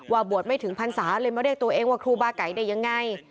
บวชไม่ถึงพรรษาเลยมาเรียกตัวเองว่าครูบาไก่ได้ยังไง